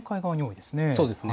そうですね。